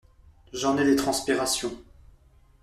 J’en ai des transpirations.